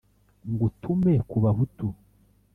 ngutume kubahutu